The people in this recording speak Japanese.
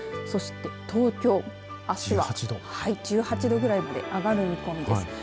そして東京、あすは１８度くらいまで上がる見込みです。